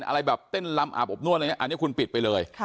อะไรแบบเต้นลำอาบอบนวดอะไรอย่างนี้อันนี้คุณปิดไปเลย